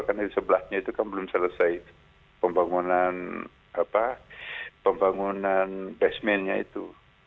karena sebelahnya itu kan belum selesai pembangunan basementnya itu